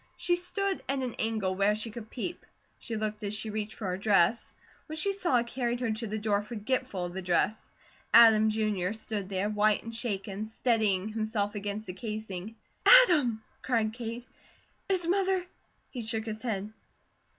She stood at an angle where she could peep; she looked as she reached for her dress. What she saw carried her to the door forgetful of the dress. Adam, Jr., stood there, white and shaken, steadying himself against the casing. "Adam!" cried Kate. "Is Mother ?" He shook his head.